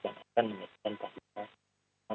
akan menyesuaikan panglima